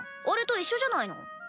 あれと一緒じゃないの？